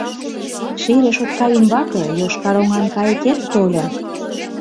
Ший решотка ӱмбаке Йошкар оҥан кайыкет тольо.